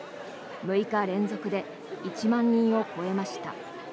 ６日連続で１万人を超えました。